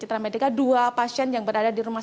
citra medica dua pasien yang berada di rumah